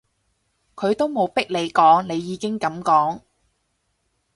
佢都冇逼你講，你已經噉講